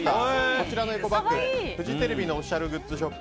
こちらのエコバッグフジテレビのオフィシャルグッズショップ